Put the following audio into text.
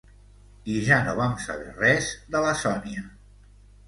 I ja no vam saber res de la Sònia.